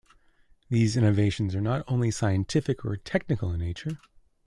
These innovations are not only scientific or technical in nature.